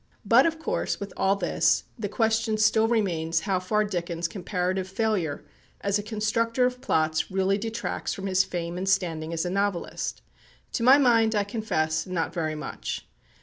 But of course, with all this, the question still remains how far Dickens' comparative failure as a constructor of plots really detracts from his fame and standing as a novelist. To my mind, I confess, not very much.